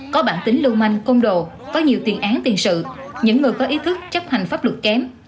có bản tính lưu manh côn đồ có nhiều tiền án tiền sự những người có ý thức chấp hành pháp luật kém